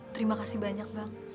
terima kasih banyak bang